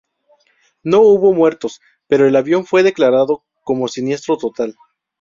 No hubo muertos, pero el avión fue declarado como siniestro total.